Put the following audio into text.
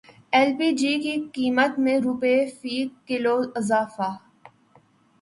L P G کی قیمت میں روپے فی کلو اضافہ